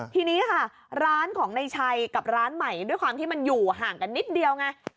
ทีนี้ค่ะร้านของในชัยกับร้านใหม่ด้วยความที่มันอยู่ห่างกันนิดเดียวไง